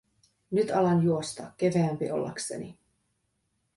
Nyt alan juosta, keveämpi ollakseni.